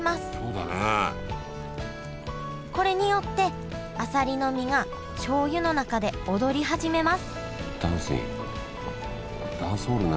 これによってあさりの身が醤油の中で踊り始めますダンシング。